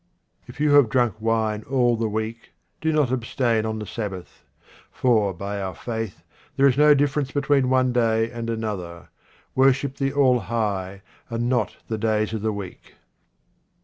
If you have drunk wine all the week, do not abstain on the Sabbath ; for, by our faith, there is no difference between one day and another. Worship the All high, and not the days of the week.